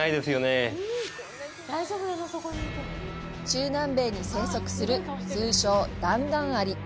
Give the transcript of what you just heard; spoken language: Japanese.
中南米に生息する、通称弾丸アリ。